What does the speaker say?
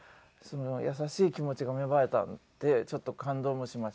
優しい気持ちが芽生えたんでちょっと感動もしました。